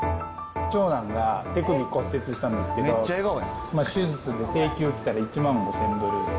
長男が手首骨折したんですけど、手術して請求来たら１万５０００ドル。